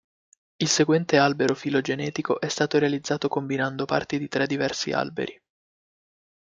Il seguente albero filogenetico è stato realizzato combinando parti di tre diversi alberi.